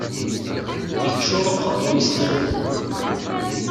Iččuṛ uqeṛṛuy-is d iɣeblan